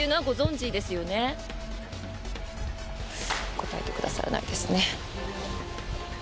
答えてくださらないですね。